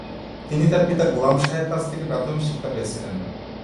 তিনি তাঁর পিতা গোলাম শাহের কাছ থেকে প্রাথমিক শিক্ষা পেয়েছিলেন।